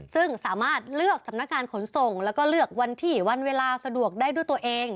ซึ่งสามารถเลือกสำนักงานขนส่งแล้วก็เลือกวันที่วันเวลาสะดวกได้ด้วยตัวเอง